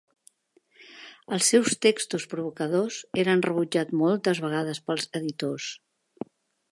Els seus textos provocadors eren rebutjats moltes vegades pels editors.